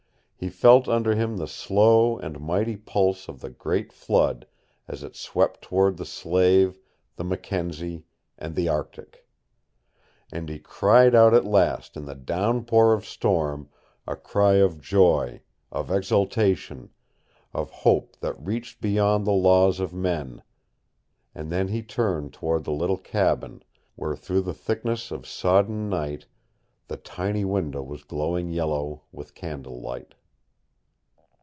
He felt under him the slow and mighty pulse of the great flood as it swept toward the Slave, the Mackenzie, and the Arctic. And he cried out at last in the downpour of storm, a cry of joy, of exultation, of hope that reached beyond the laws of men and then he turned toward the little cabin, where through the thickness of sodden night the tiny window was glowing yellow with candle light.